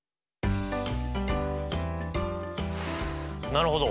なるほど。